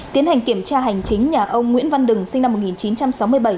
tiến hành kiểm tra hành chính nhà ông nguyễn văn đừng sinh năm một nghìn chín trăm sáu mươi bảy